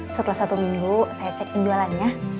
setelah satu minggu saya cek penjualannya